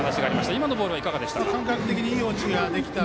今のボールはいかがでしたか？